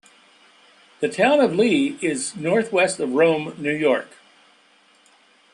The Town of Lee is northwest of Rome, New York.